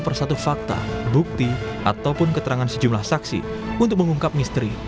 per satu fakta bukti ataupun keterangan sejumlah saksi untuk mengungkap misteri